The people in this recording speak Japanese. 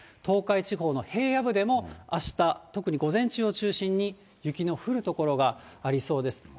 東海地方の平野部でも、あした、特に午前中を中心に雪の降る所がありそうです。